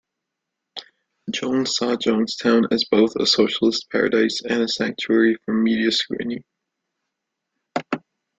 Jones saw Jonestown as both a "socialist paradise" and a "sanctuary" from media scrutiny.